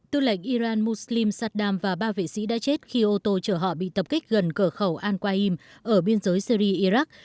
tư lệnh iran mossim sadam và ba vệ sĩ đã chết khi ô tô chở họ bị tập kích gần cửa khẩu al qaim ở biên giới syri iraq